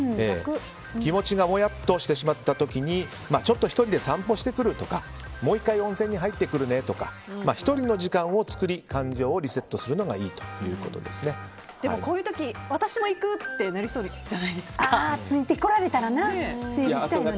気持ちがもやっとしてしまった時ちょっと１人で散歩してくるとかもう一回温泉に入ってくるねとか１人の時間を作り感情をリセットするのがこういう時、私も行くってついてこられたらな。